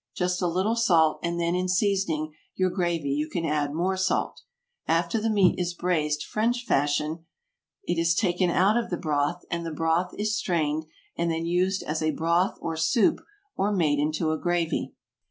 Just a little salt, and then in seasoning your gravy you can add more salt. After the meat is braised French fashion, it is taken out of the broth, and the broth is strained and then used as a broth or soup, or made into a gravy.